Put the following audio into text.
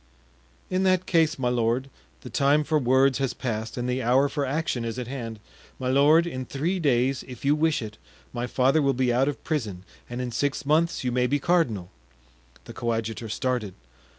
"In that case, my lord, the time for words has passed and the hour for action is at hand; my lord, in three days, if you wish it, my father will be out of prison and in six months you may be cardinal." The coadjutor started.